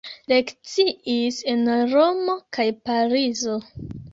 Lekciis en Romo kaj Parizo.